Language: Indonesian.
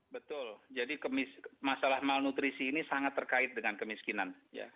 betul jadi masalah malnutrisi ini sangat terkait dengan kemiskinan